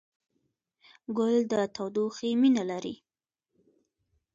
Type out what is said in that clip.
ګل د تودوخې مینه لري.